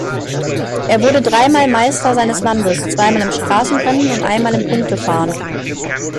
Er wurde dreimal Meister seines Landes, zweimal im Straßenrennen und einmal im Punktefahren.